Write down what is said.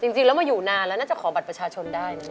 จริงแล้วมาอยู่นานแล้วน่าจะขอบัตรประชาชนได้นะ